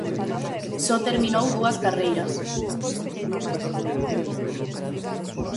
Só terminou dúas carreiras.